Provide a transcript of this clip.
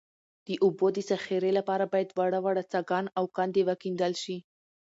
د اوبو د ذخیرې لپاره باید واړه واړه څاګان او کندې وکیندل شي